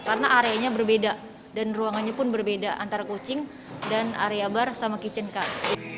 karena areanya berbeda dan ruangannya pun berbeda antara kucing dan area bar sama kitchen kak